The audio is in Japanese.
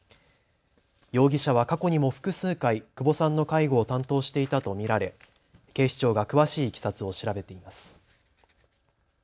容疑者は過去にも複数回、久保さんの介護を担当していたと見られ警視庁が詳しいいきさつを調べています。